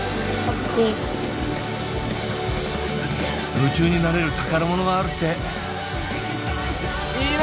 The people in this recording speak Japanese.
夢中になれる宝物があるっていいな！